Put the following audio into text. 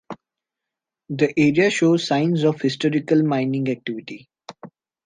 The area shows signs of historical mining activity.